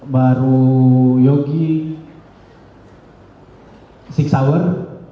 baru yogi six hour